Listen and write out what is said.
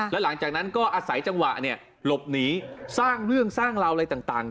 แล้วหลังจากนั้นก็อาศัยจังหวะหลบหนีสร้างเรื่องสร้างราวอะไรต่าง